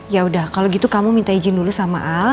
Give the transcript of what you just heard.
yaudah kalau gitu kamu minta izin dulu sama al